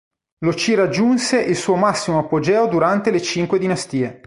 Lo ci raggiunse il suo massimo apogeo durante le Cinque dinastie.